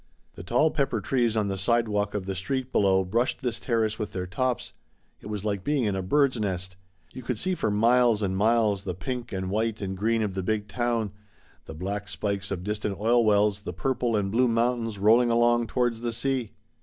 The tall pepper trees on the sidewalk of the street below brushed this terrace with their tops. It was like being in a bird's nest. You could see for miles and miles, the pink and white and green of the big town, the black spikes of distant oil wells, the purple and blue mountains rolling along to wards the sea.